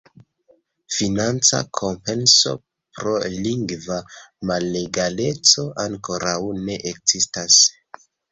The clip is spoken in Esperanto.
Financa kompenso pro lingva malegaleco ankoraŭ ne ekzistas.